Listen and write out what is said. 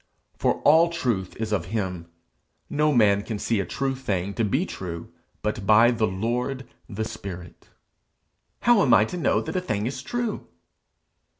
For all truth is of him; no man can see a true thing to be true but by the Lord, the spirit. 'How am I to know that a thing is true?'